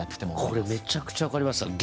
これめちゃくちゃ分かりますわ。